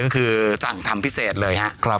ก็คือสั่งทำพิเศษเลยครับ